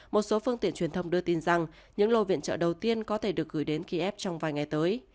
một số phương tiện truyền thông đưa tin rằng những lô viện trợ đầu tiên có thể được gửi đến kiev trong vài ngày tới